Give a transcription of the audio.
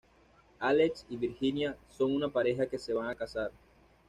Álex y Virginia son una pareja que se van a casar.